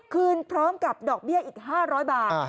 คืนพร้อมกับดอกเบี้ยอีก๕๐๐บาท